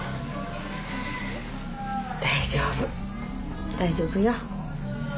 大丈夫大丈夫よ。